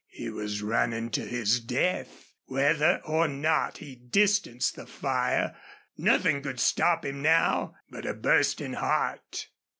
He was running to his death, whether or not he distanced the fire. Nothing could stop him now but a bursting heart.